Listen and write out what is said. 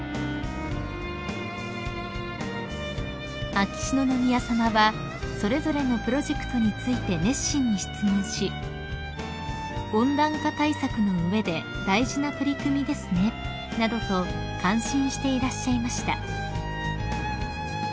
［秋篠宮さまはそれぞれのプロジェクトについて熱心に質問し「温暖化対策の上で大事な取り組みですね」などと感心していらっしゃいました］